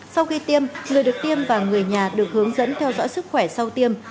sau khi tiêm người được tiêm và người nhà được hướng dẫn theo dõi sức khỏe sau tiêm